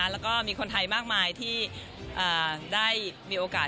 แล้วก็มีคนไทยมากมายที่ได้มีโอกาส